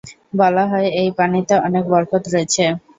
বলা হয় এই পানিতে অনেক বরকত রয়েছে।